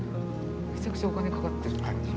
めちゃくちゃお金かかってる。